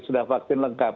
sudah vaksin lengkap